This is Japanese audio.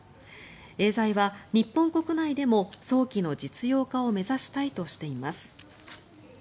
エーザイは日本国内でも早期の実用化を目指したいとしています。